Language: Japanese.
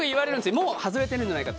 もう外れてるんじゃないかって。